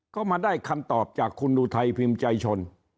ก็มาได้คำตอบจากคุณอุทัยพิมพ์ใจชน